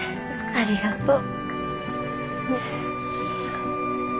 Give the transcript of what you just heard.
ありがとう。